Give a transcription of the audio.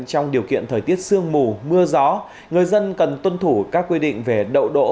trong điều kiện thời tiết sương mù mưa gió người dân cần tuân thủ các quy định về đậu đỗ